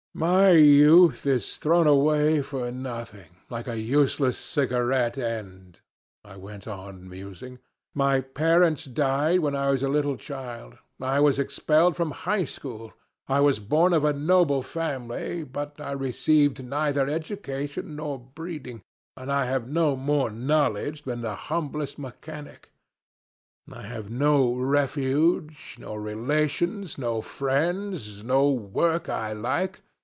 "My youth is thrown away for nothing, like a useless cigarette end," I went on musing. "My parents died when I was a little child; I was expelled from the high school, I was born of a noble family, but I have received neither education nor breeding, and I have no more knowledge than the humblest mechanic. I have no refuge, no relations, no friends, no work I like.